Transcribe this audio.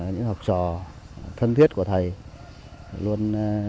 những học trò thân thiết của thầy luôn